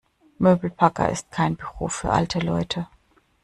Möbelpacker ist kein Beruf für alte Leute.